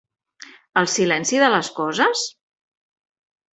El silenci de les coses?